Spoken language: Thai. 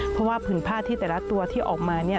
เพราะว่าผืนผ้าที่แต่ละตัวที่ออกมาเนี่ย